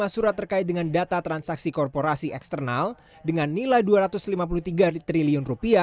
lima surat terkait dengan data transaksi korporasi eksternal dengan nilai rp dua ratus lima puluh tiga triliun